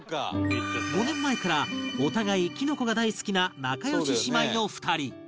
５年前からお互いきのこが大好きな仲良し姉妹の２人